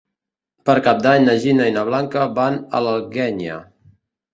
Per Cap d'Any na Gina i na Blanca van a l'Alguenya.